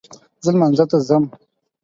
زه لمانځه ته ځم